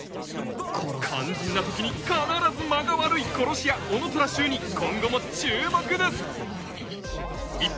肝心な時に必ず間が悪い殺し屋男虎柊に今後も注目です